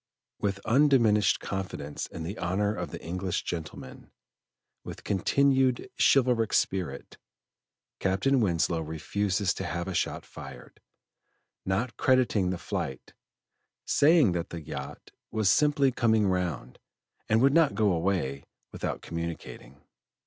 With undiminished confidence in the honor of the English gentleman, with continued chivalric spirit Captain Winslow refuses to have a shot fired, not crediting the flight, saying that the yacht was "simply coming round," and would not go away without communicating.